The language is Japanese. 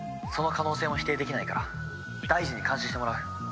「その可能性も否定できないから大二に監視してもらう」